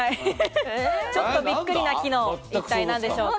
ちょっとびっくりな機能、一体何でしょうか？